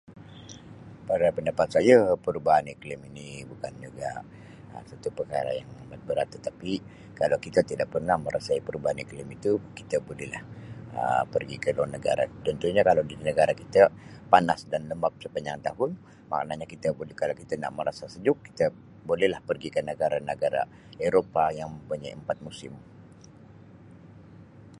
Pada pendapat saye perubahan iklim ini bukan juga Um satu perkara yang amat berat tetapi kalau kita tidak pernah merasai perubahan iklim itu kita boleh lah Um pergi ke luar negara contohnya kalau di negara kita panas dan lembab sepanjang tahun maknanya kita buli kalau kita nak merasa sejuk kita boleh lah pergi ke negara-negara eropah yang mempunyai empat musim.